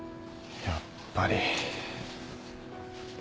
やっぱり。